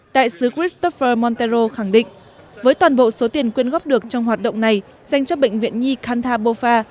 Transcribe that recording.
đại sứ christopher montero khẳng định với toàn bộ số tiền quyên góp được trong hoạt động này dành cho bệnh viện nhi kanta bofa